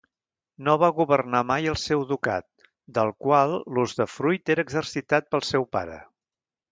No va governar mai el seu ducat del qual l'usdefruit era exercitat pel seu pare.